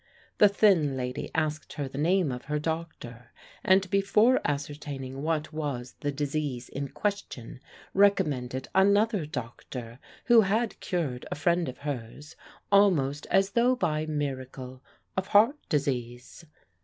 The thin lady asked her the name of her doctor, and before ascertaining what was the disease in question, recommended another doctor who had cured a friend of hers, almost as though by miracle, of heart disease.